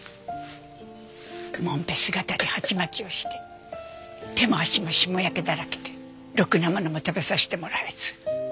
モンペ姿で鉢巻きをして手も足もしもやけだらけでろくなものも食べさせてもらえず